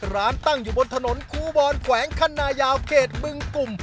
ร้านตั้งอยู่บนถนนครูบอลแขวงคันนายาวเขตบึงกลุ่ม